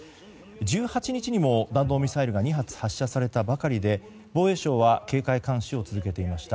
１８日にも弾道ミサイルが２発、発射されたばかりで防衛省は警戒監視を続けていました。